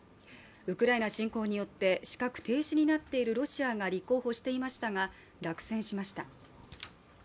ウクライナ侵攻によって資格停止になっているロシアが立候補していましたが落選しました。